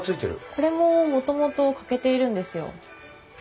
これももともと欠けているんですよ。